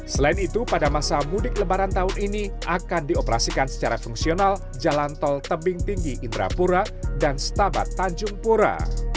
selain itu pada masa mudik lebaran tahun ini akan dioperasikan secara fungsional jalan tol tebing tinggi indrapura dan setabat tanjung pura